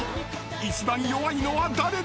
一番弱いのは誰だ！？］